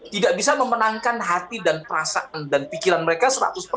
tidak bisa memenangkan hati dan perasaan dan pikiran mereka